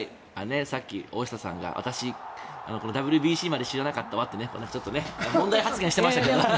さっき大下さんが私、ＷＢＣまで知らなかったわって問題発言していましたけど。